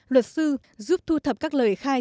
luật sư giúp thu thập các lời khai